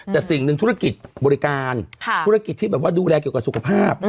แต่สิ่งหนึ่งธุรกิจบริการธุรกิจที่แบบว่าดูแลเกี่ยวกับสุขภาพ